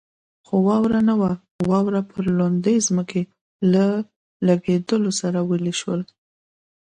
خو واوره نه وه، واوره پر لوندې ځمکې له لګېدو سره ویلې شول.